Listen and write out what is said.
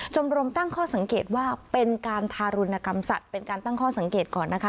รมตั้งข้อสังเกตว่าเป็นการทารุณกรรมสัตว์เป็นการตั้งข้อสังเกตก่อนนะคะ